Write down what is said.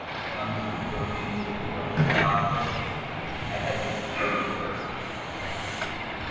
অন্যান্য প্রোটিনগুলি বিভক্ত না করে একাধিক বিভাগে বিভক্ত করতে হবে।